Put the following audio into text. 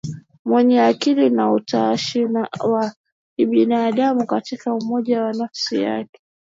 mwenye akili na utashi wa kibinadamu Katika umoja wa nafsi yake